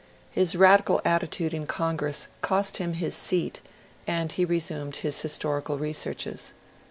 His radical attitude in Congress cost him his seat, and he re sumed his historical researches.